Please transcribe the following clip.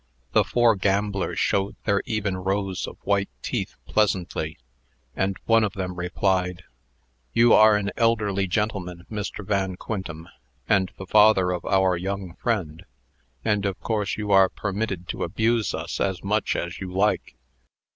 The four gamblers showed their even rows of white teeth pleasantly, and one of them replied: "You are an elderly gentleman, Mr. Van Quintem, and the father of our young friend; and, of course, you are permitted to abuse us as much as you like."